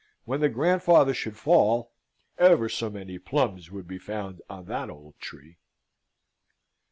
When the grandfather should fall, ever so many plums would be found on that old tree.